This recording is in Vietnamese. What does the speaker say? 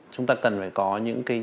chúng ta cần phải có những cái